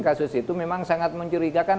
kasus itu memang sangat mencurigakan